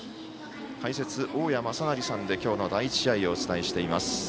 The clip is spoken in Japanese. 解説、大矢正成さんで今日の第１試合をお伝えしています。